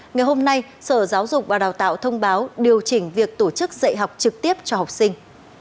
ngày hôm nay sở giáo dục và đào tạo thông báo điều chỉnh việc tổ chức dạy học trực tiếp cho học sinh